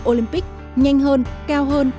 olympic nhanh hơn cao hơn